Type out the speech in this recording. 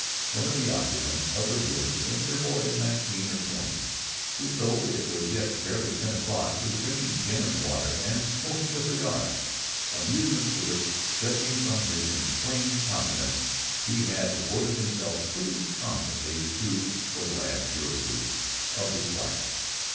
One of the occupants of the room is a "mere boy of nineteen or twenty, who, though it was yet barely ten o'clock, was drinking gin and water, and smoking a cigar, amusements to which, judging from his inflamed countenance, he had devoted himself pretty constantly for the last year or two of his life."